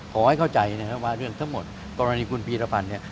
ขอให้เข้าใจนะครับว่าเรื่องทั้งหมดกรณีคุณพีรพันธ์เนี่ย